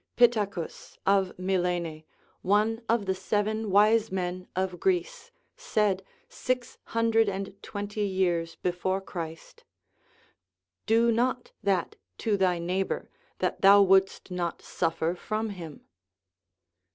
Pittacus, of Mylene, one of the seven wise men of Greece, said six hundred and twenty years before Christ :" Do not that to thy neigh bor that thou wouldst not suffer from him."